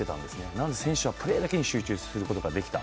なので選手はプレーだけに集中することができた。